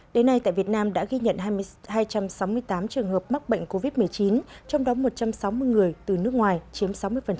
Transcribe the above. đến nay tại việt nam đã ghi nhận hai trăm sáu mươi tám trường hợp mắc bệnh covid một mươi chín trong đó một trăm sáu mươi người từ nước ngoài chiếm sáu mươi